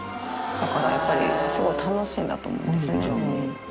だからやっぱり、すごい楽しいんだと思うんですよね。